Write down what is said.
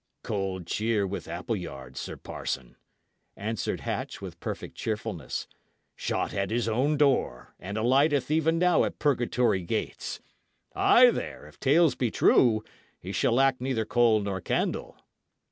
"Cold cheer with Appleyard, sir parson," answered Hatch, with perfect cheerfulness. "Shot at his own door, and alighteth even now at purgatory gates. Ay! there, if tales be true, he shall lack neither coal nor candle."